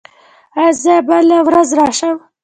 ایا زه بله ورځ راشم؟